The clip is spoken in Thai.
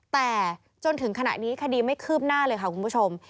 แต่จนถึงขณะนี้คดีไม่คืบหน้าเลยค่ะคุณผู้ชม